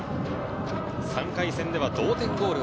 ３回戦では同点ゴールを